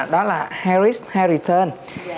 đó là high risk high return